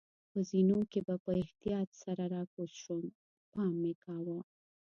په زینو کې په احتیاط سره راکوز شوم، پام مې کاوه.